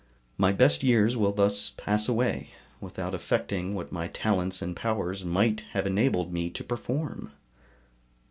My best years will thus pass away, without effecting what my talents and powers might have enabled me to perform.